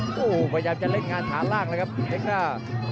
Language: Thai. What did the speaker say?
โอ้โหพยายามจะเล่นงานขาดรากเลยครับเอกตา